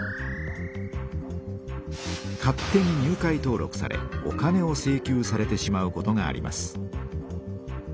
勝手に入会登録されお金を請求されてしまうことがあります。